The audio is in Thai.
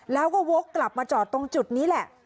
แล้วก็วกกลับมาจอดตรงจุดนี้แหละ